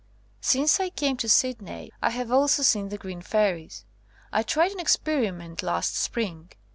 Since I came to Sydney, I have also seen the green fairies. I tried an experiment last spring.